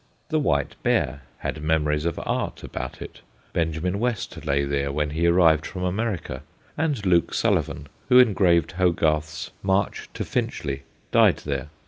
The White Bear ' had memories of art about it. Benjamin West lay there when he arrived from America, and Luke Sullivan, who engraved Hogarth's * March to Finchley,' died there.